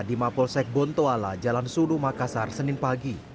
di mapolsek bontoala jalan sudu makassar senin pagi